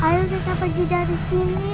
ayo bisa pergi dari sini